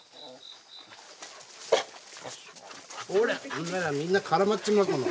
みんながみんな絡まっちまうこの。